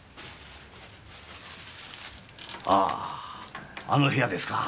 あああの部屋ですか。